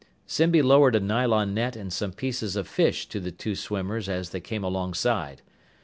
Zimby lowered a nylon net and some pieces of fish to the two swimmers as they came alongside.